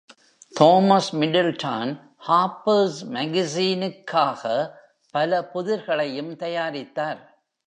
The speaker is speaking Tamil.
Thomas Middleton "Harpers Magazine" க்காக பல புதிர்களையும் தயாரித்தார்.